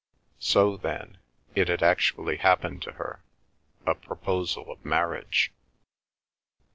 So then, it had actually happened to her, a proposal of marriage.